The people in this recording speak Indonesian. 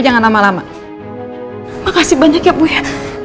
aku bisa jalan lama lama makasih banyak ya bu ya